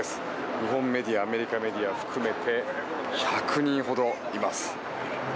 日本メディアアメリカメディアを含めて１００人ほどがいます。